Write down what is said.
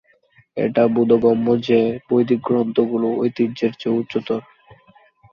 এটা বোধগম্য যে বৈদিক গ্রন্থগুলি ঐতিহ্যের চেয়ে উচ্চতর।